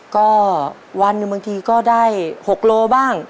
ก็วันบางทีก็ได้๖โลละบ้าง